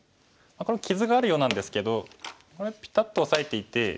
これも傷があるようなんですけどこれはピタッとオサえていて